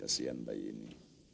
kesian bayi ini